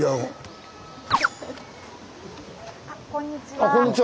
あこんにちは。